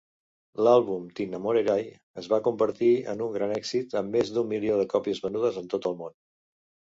L'àlbum "T'innamorerai" es va convertir en un gran èxit, amb més d'un milió de còpies venudes en tot el món.